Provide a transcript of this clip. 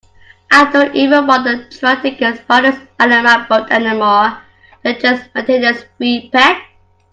I don't even bother trying to get spiders out of my boat anymore, they're just maintenance-free pets.